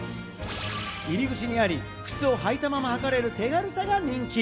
入り口にあり、靴を履いたまま測れる手軽さが人気！